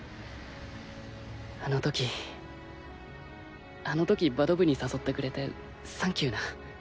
あの時あの時バド部に誘ってくれてサンキューな。